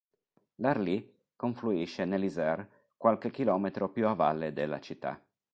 L'Arly confluisce nell'Isère qualche chilometro più a valle della città.